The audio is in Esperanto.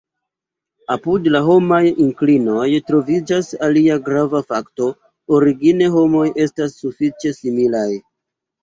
Apud la homaj inklinoj troviĝas alia grava fakto: origine, homoj estas sufiĉe similaj.